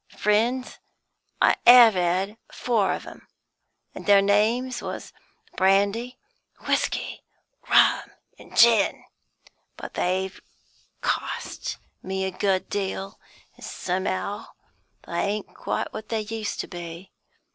Friends I 'ave had; four of 'em; and their names was Brandy, Whisky, Rum, an' Gin. But they've cost me a good deal, an' somehow they ain't quite what they used to be.